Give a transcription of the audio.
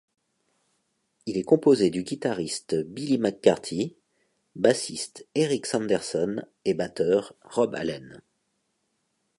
Il est composé du guitariste Billy McCarthy, bassiste Eric Sanderson et batteur Rob Allen.